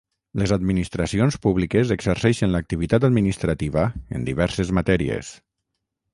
Les administracions públiques exerceixen l'activitat administrativa en diverses matèries.